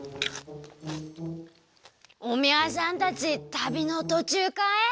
おみゃさんたちたびのとちゅうかえ？